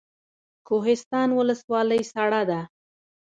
کوهستان ولسوالۍ سړه ده؟